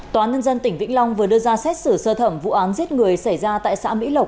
tòa nhân dân tỉnh vĩnh long vừa đưa ra xét xử sơ thẩm vụ án giết người xảy ra tại xã mỹ lộc